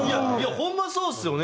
ホンマにそうですよね。